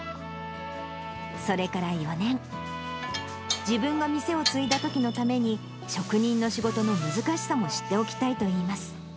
それから４年、自分が店を継いだときのために、職人の仕事の難しさも知っておきたいといいます。